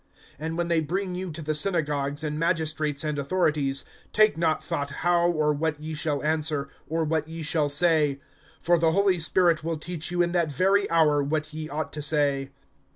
(11)And when they bring you to the synagogues, and magistrates, and authorities, take not thought how or what ye shall answer, or what ye shall say. (12)For the Holy Spirit will teach you in that very hour what ye ought to say.